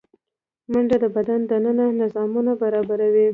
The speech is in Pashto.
منډه د بدن دننه نظامونه برابروي